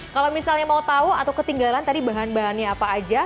kalau misalnya mau tahu atau ketinggalan tadi bahan bahannya apa aja